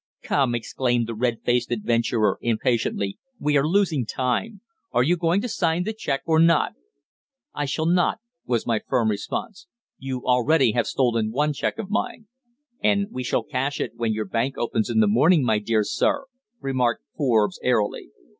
"Come," exclaimed the red faced adventurer impatiently, "we are losing time. Are you going to sign the cheque, or not?" "I shall not," was my firm response. "You already have stolen one cheque of mine." "And we shall cash it when your bank opens in the morning, my dear sir," remarked Forbes airily.